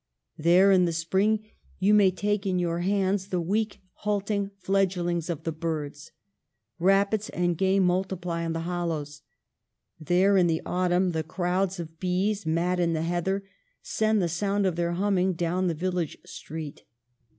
There in the spring you may take in your hands the weak, halting fledglings of the birds ; rabbits and game multiply in the hollows. There in the autumn the crowds of bees, mad in the heather, send the sound of their humming down the vil lage street.